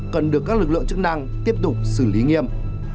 cần được các lực lượng chức năng tiếp tục xử lý nghiêm